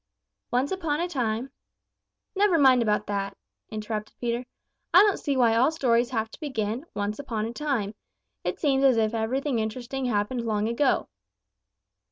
"Once upon a time " "Never mind about that," interrupted Peter. "I don't see why all stories have to begin 'Once upon a time.' It seems as if everything interesting happened long ago."